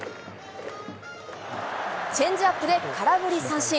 チェンジアップで空振り三振。